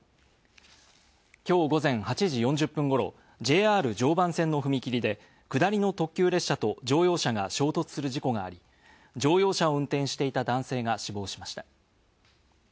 きょう午前８時４０分頃、ＪＲ常磐線の踏切で下りの特急列車と乗用車が衝突する事故があり、乗用車を運転していた男性が死亡しました。